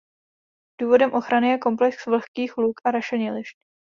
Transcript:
Důvodem ochrany je komplex vlhkých luk a rašelinišť.